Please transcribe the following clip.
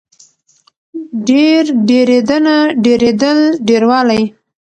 ډېر، ډېرېدنه، ډېرېدل، ډېروالی